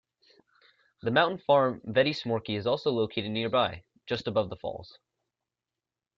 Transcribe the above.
The mountain farm Vettismorki is also located nearby, just above the falls.